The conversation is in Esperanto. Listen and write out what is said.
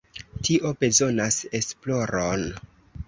Tio bezonas esploron.